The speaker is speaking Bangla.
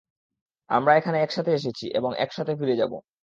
আমরা এখানে একসাথে এসেছি, এবং একসাথে ফিরে যাব।